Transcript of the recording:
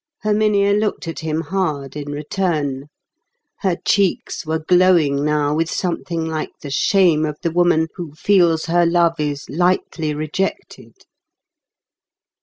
Herminia looked at him hard in return. Her cheeks were glowing now with something like the shame of the woman who feels her love is lightly rejected.